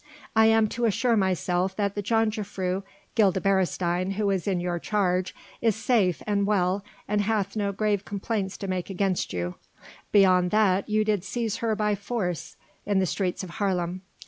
"I am to assure myself that the Jongejuffrouw Gilda Beresteyn, who is in your charge, is safe and well and hath no grave complaints to make against you, beyond that you did seize her by force in the streets of Haarlem.